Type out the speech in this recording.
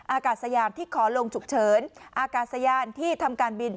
อากาศสยามที่ขอลงฉุกเฉินอากาศยานที่ทำการบิน